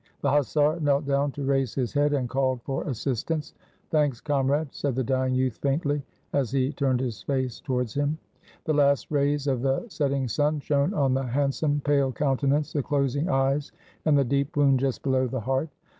The hussar knelt down to raise his head, and called for assistance. "Thanks, comrade!" said the dying youth faintly, as he turned his face towards him. The last rays of the setting sun shone on the hand some, pale countenance, the closing eyes, and the deep wound just below the heart.